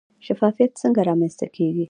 شفافیت څنګه رامنځته کیږي؟